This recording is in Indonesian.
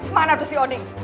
mana tuh si odin